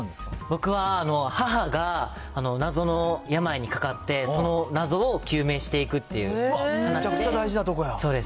僕は、母が謎の病にかかって、その謎を究明していくっていう話で。